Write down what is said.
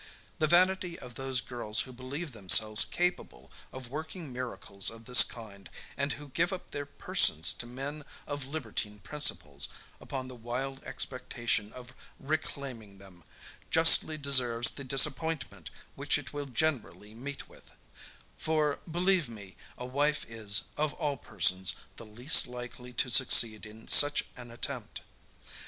The vanity of those girls who believe themselves capable of working miracles of this kind, and who give up their persons to men of libertine principles, upon the wild expectation of reclaiming them, justly deserves the disappointment which it will generally meet with; for, believe me, a wife is, of all persons, the least likely to succeed in such an attempt.